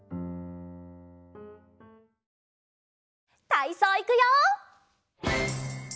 たいそういくよ！